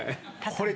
これ。